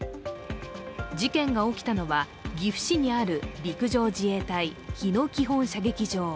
事件が起きたのは岐阜市にある陸上自衛隊・日野基本射撃場。